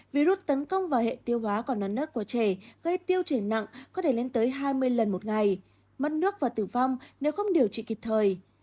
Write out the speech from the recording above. virus tấn công vào hệ tiêu hóa còn là nớt của trẻ gây tiêu chảy nặng có thể lên tới hai mươi lần một ngày mất nước và tử vong nếu không điều trị kịp thời